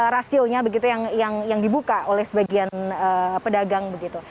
rasionya begitu yang dibuka oleh sebagian pedagang begitu